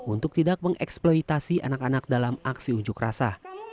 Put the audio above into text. untuk tidak mengeksploitasi anak anak dalam aksi unjuk rasa